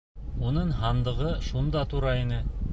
Уның һандығы шунда тора ине.